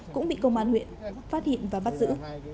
cũng bị công an huyện phát hiện và bắt giữ